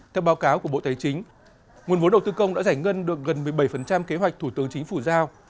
theo báo cáo của bộ tài chính nguồn vốn đầu tư công đã giải ngân được gần một mươi bảy kế hoạch thủ tướng chính phủ giao